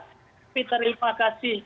tapi terima kasih